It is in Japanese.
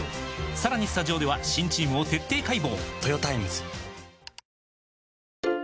さらにスタジオでは新チームを徹底解剖！